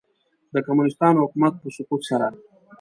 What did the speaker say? د کمونیسټانو حکومت په سقوط سره.